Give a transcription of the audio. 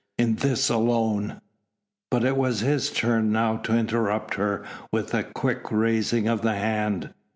"In this alone " But it was his turn now to interrupt her with a quick raising of the hand.